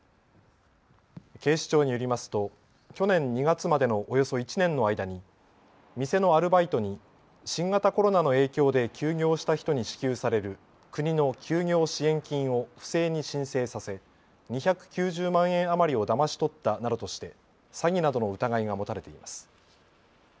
警視庁によりますと去年２月までのおよそ１年の間に店のアルバイトに新型コロナの影響で休業した人に支給される国の休業支援金を不正に申請させ２９０万円余りをだまし取ったなどとして詐欺などの疑いが持たれています。